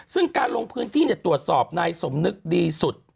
ซึ่งการลงพื้นที่ตรวจสอบนายสมนึกดีสุด